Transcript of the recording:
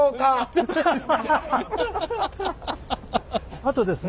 あとですね